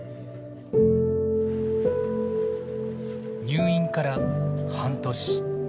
入院から半年。